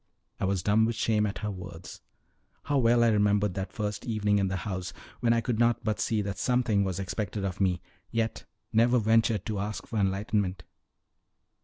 I was dumb with shame at her words. How well I remembered that first evening in the house, when I could not but see that something was expected of me, yet never ventured to ask for enlightment!